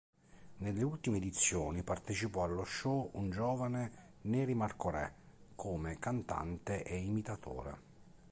Nelle ultime edizioni partecipò allo show un giovane Neri Marcorè come cantante e imitatore.